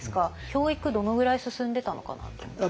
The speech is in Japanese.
教育どのぐらい進んでたのかなと思って。